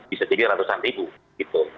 bisa jadi ratusan ribu gitu